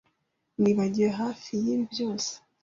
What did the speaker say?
Nibagiwe hafi yibi byose.